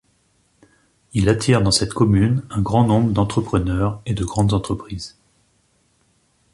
Il attire dans cette commune un grand nombre d'entrepreneurs et de grandes entreprises.